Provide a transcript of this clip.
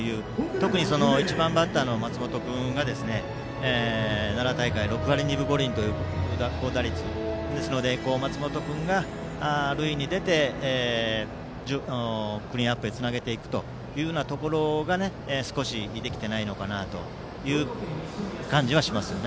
特に１番バッターの松本君が奈良大会で６割２分５厘という高打率ですので松本君が塁に出てクリーンナップにつなげていくところが少しできていないのかなという感じはします。